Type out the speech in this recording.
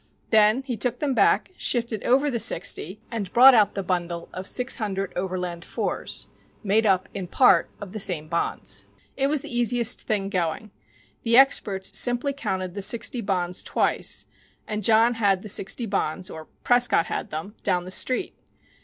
Then he took them back, shifted over the sixty and brought out the bundle of six hundred Overland 4s made up in part of the same bonds. It was the easiest thing going. The experts simply counted the sixty bonds twice and John had the sixty bonds (or Prescott had them) down the street.